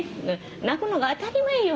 泣くのが当たり前よ